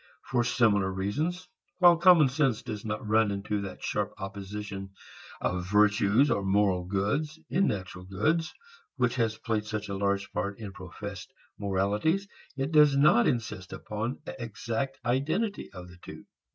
For similar reasons, while common sense does not run into that sharp opposition of virtues or moral goods and natural goods which has played such a large part in professed moralities, it does not insist upon an exact identity of the two.